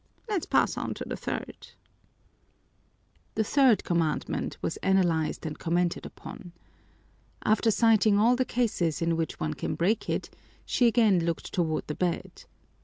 Let's pass on to the third." The third commandment was analyzed and commented upon. After citing all the cases in which one can break it she again looked toward the bed.